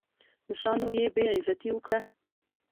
مشرانو یې بېعزتي وکړه.